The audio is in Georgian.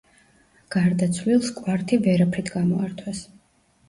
გარდაცვლილს კვართი ვერაფრით გამოართვეს.